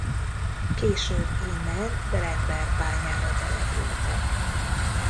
Később innen Brennbergbányára települtek.